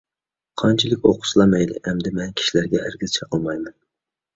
قانچىلىك ئوقۇسىلا مەيلى. ئەمدى مەن كىشىلەرگە ھەرگىز چېقىلمايمەن.